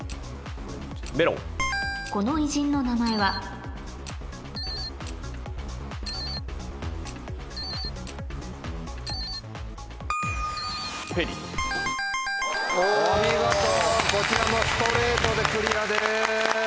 ５問目はお見事こちらもストレートでクリアです。